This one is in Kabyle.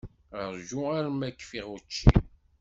Ṛju arma kfiɣ učči.